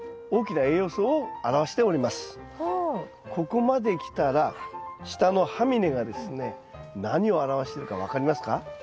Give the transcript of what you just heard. ここまできたら下のハミネがですね何を表しているか分かりますか？